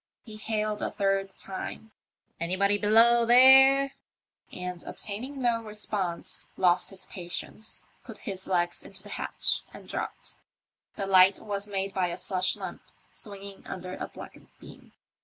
He hailed a third time :Anybody below there ?" and obtaining no response, lost his patience, put his legs into the hatch and dropped. The light was made by a slush lamp swinging under a blackened beam.